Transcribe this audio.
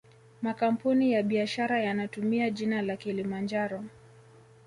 Makampuni ya biashara yanatumia jina la kilimanjaro